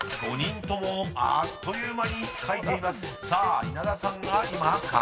５人ともあっという間に書いています。